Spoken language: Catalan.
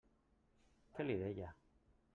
Què li deia?